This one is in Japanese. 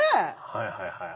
はいはいはい。